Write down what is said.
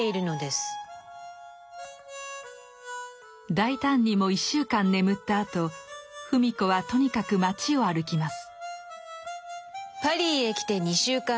大胆にも１週間眠ったあと芙美子はとにかく街を歩きます。